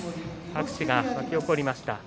拍手が巻き起こりました。